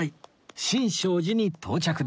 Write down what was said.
新勝寺に到着です